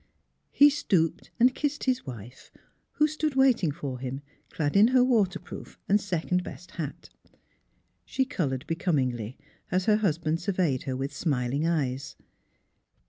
He stooped and kissed his wife, who stood wait ing for him, clad in her waterproof and second best hat. She coloured becomingly, as her hus band surveyed her with smiling eyes.